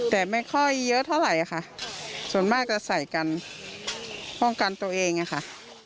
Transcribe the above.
แต่ไม่ค่อยเยอะเท่าไหร่ค่ะส่วนมากจะใส่กันป้องกันตัวเองอะค่ะ